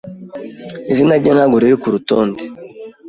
Izina rye ntabwo riri kurutonde.